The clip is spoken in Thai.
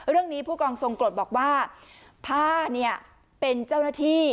ผู้กองทรงกรดบอกว่าผ้าเนี่ยเป็นเจ้าหน้าที่